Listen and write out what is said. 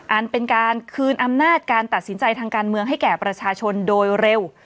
อันเป็นการคืนอำนาจการตัดสินใจทางการเมืองให้แก่ประชาชนโดยเร็ว